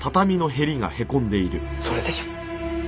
それでしょう。